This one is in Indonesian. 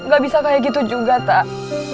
gak bisa kayak gitu juga tak